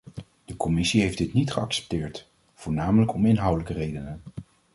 De commissie heeft dit niet geaccepteerd, voornamelijk om inhoudelijke redenen.